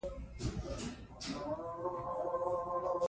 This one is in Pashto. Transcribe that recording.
هغه نادره انځور خپور کړ چې ډېر حیران یې کړل.